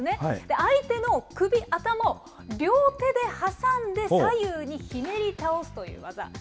相手の首、頭を両手で挟んで左右にひねり倒すという技。